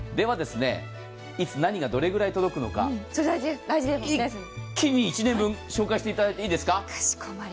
いつ、何がどれくらい届くのか、一気に１年分、紹介していただいていいですか。